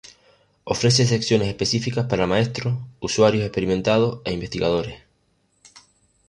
Ofrece secciones específicas para maestros, usuarios experimentados e investigadores.